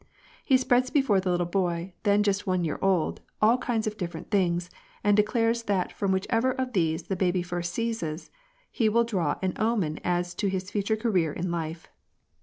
He spreads before the little boy, then just one year old, all kinds of different things, and declares that from whichever of these the baby first seizes, he will draw an omen as to his future career in life.